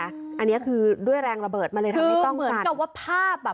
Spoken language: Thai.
อันนี้คือด้วยแรงระเบิดมันเลยทำให้กล้องเหมือนกับว่าภาพอ่ะ